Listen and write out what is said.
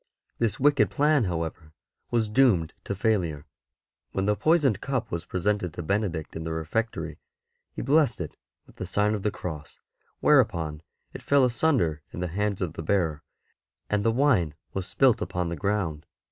This wicked plan, however, was doomed to failure. When the poisoned cup was presented to Benedict in the refectory, he blessed it with the sign of the Cross, whereupon it fell asunder in the hands of the bearer and the wine was spilt upon the ground.